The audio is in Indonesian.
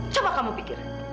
kamu bisa berpikirin camilla terus